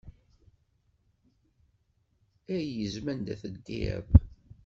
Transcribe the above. Ay izem anda teddiḍ.